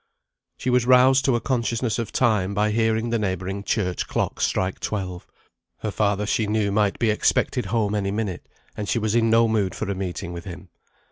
She was roused to a consciousness of time by hearing the neighbouring church clock strike twelve. Her father she knew might be expected home any minute, and she was in no mood for a meeting with him.